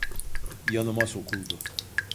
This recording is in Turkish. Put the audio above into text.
Yanıma sokuldu.